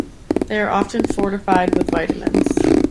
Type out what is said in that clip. They are often fortified with vitamins.